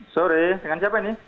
sorry dengan siapa ini